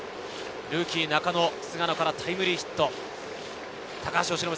ルーキー・中野、菅野からタイムリーヒット。